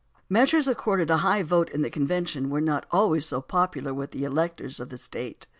Measures accorded a high vote in the convention were not always so popular with the electors of the State.